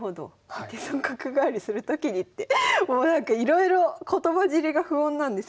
「一手損角換わりするときに」ってもうなんかいろいろ言葉尻が不穏なんですけど。